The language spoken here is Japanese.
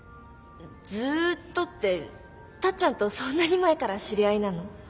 ずっとってタッちゃんとそんなに前から知り合いなの？